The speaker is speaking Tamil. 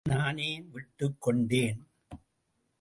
நானே விட்டுக் கொண்டேன்.